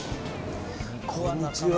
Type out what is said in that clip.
こんにちは。